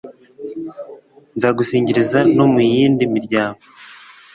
nzagusingiriza no mu yindi miryango